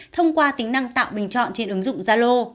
thông qua tính năng tạo bình chọn trên ứng dụng zalo